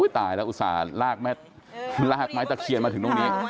ตายแล้วอุตส่าห์ลากไม้ตะเคียนมาถึงตรงนี้